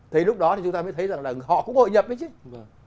thế lúc đó thì chúng ta mới thấy rằng là họ cũng hội nhập với chứ